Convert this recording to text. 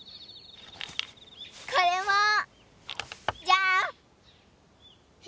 これも！じゃん！